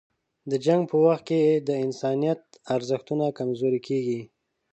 د جنګ په وخت کې د انسانیت ارزښتونه کمزوري کېږي.